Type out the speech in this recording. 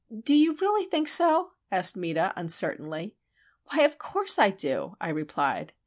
"Do you really think so?" asked Meta, uncertainly. "Why, of course I do," I replied.